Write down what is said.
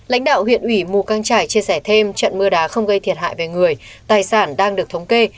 lãnh đạo huyện ủy mù căng trải chia sẻ thêm trận mưa đá không gây thiệt hại về người tài sản đang được thống kê